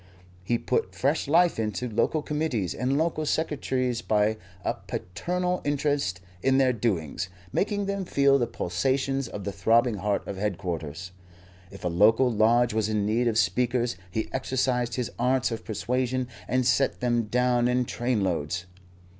He put fresh life into local Committees and local Secretaries by a paternal interest in their doings, making them feel the pulsations of the throbbing heart of headquarters. If a local lodge was in need of speakers, he exercised his arts of persuasion and sent them down in trainloads.